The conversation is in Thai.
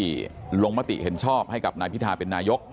หลายคนที่ลงมะติเห็นชอบให้กับนายพิธาเป็นนายก